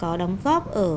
có đóng góp ở